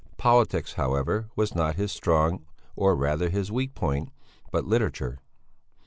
Politics, however, was not his strong, or rather his weak point, but literature.